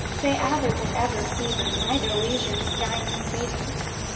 Say aver, but ever, fever, Neither, leisure, skein, receiver.